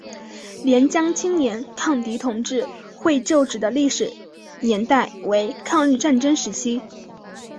廉江青年抗敌同志会旧址的历史年代为抗日战争时期。